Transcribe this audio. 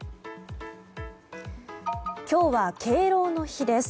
今日は、敬老の日です。